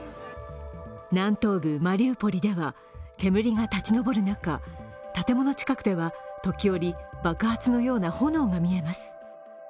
南東部マリウポリでは煙が立ち上る中建物近くでは時折、爆発のような炎が見えます。